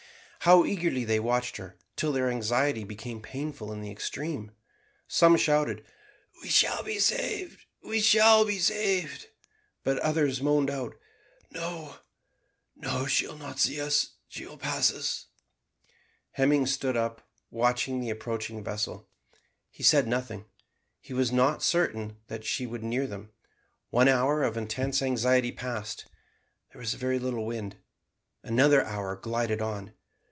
How eagerly they watched her, till their anxiety became painful in the extreme. Some shouted, "We shall be saved, we shall be saved;" but others moaned out, "No, no, she'll not see us, she will pass us." Hemming stood up, watching the approaching vessel. He said nothing. He was not certain that she would near them. One hour of intense anxiety passed. There was very little wind. Another hour glided on.